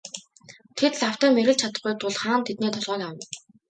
Тэд лавтай мэргэлж чадахгүй тул хаан тэдний толгойг авна.